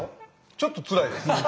ちょっとつらいです。